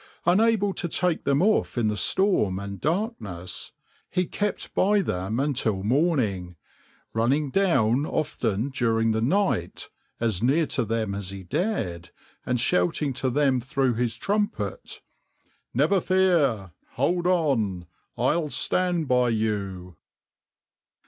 Unable to take them off in the storm and darkness, he kept by them until morning, running down often during the night, as near to them as he dared, and shouting to them through his trumpet, "Never fear! hold on! I'll stand by you!"